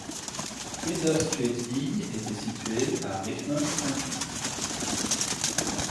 Flinders Street E était situé à Richmond Junction.